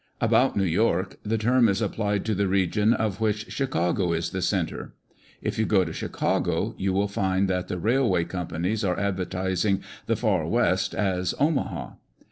About New York, the term is applied to the region of which Chicago is the centre. If you go to Chicago you will lind that I lie rail way companies are advertising the " Far West" as Omaha.